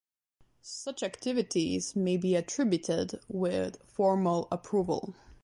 Such activities may be attributed with formal approval.